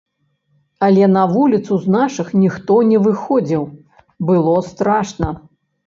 Але на вуліцу з нашых ніхто не выходзіў, было страшна.